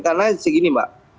karena segini mbak